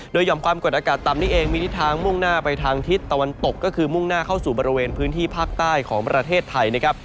โดยห่อมความกดอากาศต่ำนี้เองมีทิศทางมุ่งหน้าไปทางทิศตะวันตกก็คือมุ่งหน้าเข้าสู่บริเวณพื้นที่ภาคใต้ของประเทศไทยนะครับ